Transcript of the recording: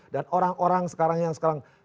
dan orang orang sekarang yang sekarang